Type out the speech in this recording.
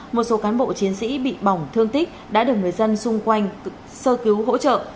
một số cán bộ chiến sĩ bị bỏng thương tích đã được người dân xung quanh sơ cứu hỗ trợ